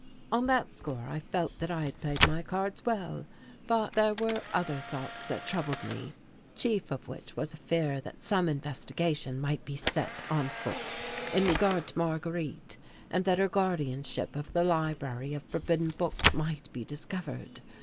On that score I felt that I had played my cards well, but there were other thoughts that troubled me, chief of which was a fear that some investigation might be set on foot in regard to Marguerite and that her guardianship of the library of forbidden books might be discovered.